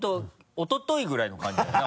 おとといぐらいの感じだよな